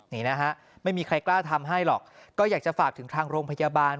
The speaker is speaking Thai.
นี่นะฮะไม่มีใครกล้าทำให้หรอกก็อยากจะฝากถึงทางโรงพยาบาล